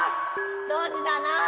ドジだな！